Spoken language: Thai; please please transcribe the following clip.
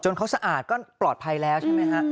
เขาสะอาดก็ปลอดภัยแล้วใช่ไหมฮะ